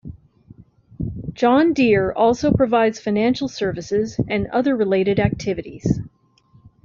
John Deere also provides financial services and other related activities.